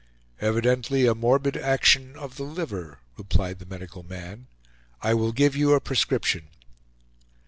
"Evidently a morbid action of the liver," replied the medical man; "I will give you a prescription."